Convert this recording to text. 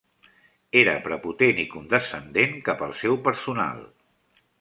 Era prepotent i condescendent cap al seu personal.